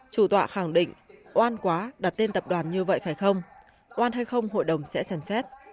chủ tọa khẳng định oan quá đặt tên tập đoàn như vậy phải không oan hay không hội đồng sẽ xem xét